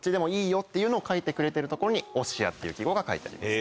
っていうのを書いてくれてるところに。っていう記号が書いてあります。